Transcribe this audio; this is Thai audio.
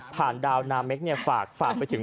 ผ่านดาวนาเมกเนี่ยฝากไปถึง